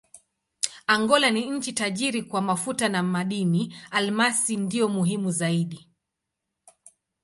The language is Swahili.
Angola ni nchi tajiri kwa mafuta na madini: almasi ndiyo muhimu zaidi.